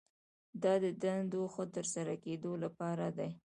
دا د دندو د ښه ترسره کیدو لپاره دي.